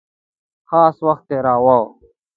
خاص وخت تېراوه.